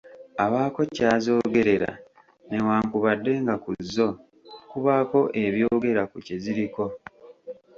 Abaako ky’azoogerera newankubadde nga ku zo kubaako ebyogera ku kyeziriko.